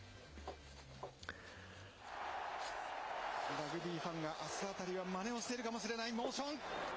ラグビーファンが、あすあたりはまねをしているかもしれないモーション。